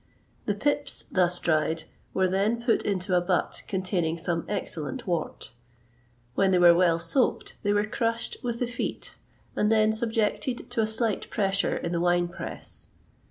The pips, thus dried, were then put into a butt containing some excellent wort. When they were well soaked, they were crushed with the feet, and then subjected to a slight pressure in the wine press.